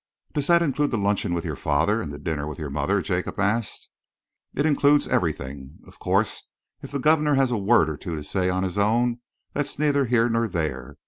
"Does that include the luncheon with your father and the dinner with your mother?" Jacob asked. "It includes everything. Of course, if the governor has a word or two to say on his own, that's neither here nor there.